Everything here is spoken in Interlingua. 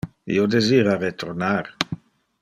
Io desira retornar.